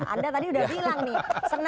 anda tadi udah bilang nih